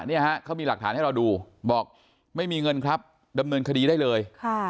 เนี่ยฮะเขามีหลักฐานให้เราดูบอกไม่มีเงินครับดำเนินคดีได้เลย